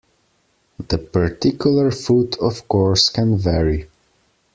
The particular foot, of course, can vary.